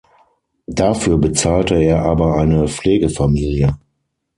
Dafür bezahlte er aber eine Pflegefamilie.